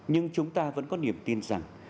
nhưng chúng ta vẫn có niềm tin rằng